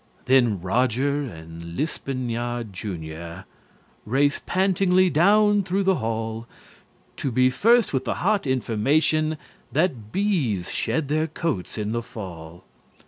Then Roger and Lispinard Junior Race pantingly down through the hall To be first with the hot information That bees shed their coats in the Fall.